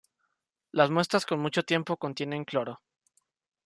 Las muestras con mucho tiempo contienen Cl.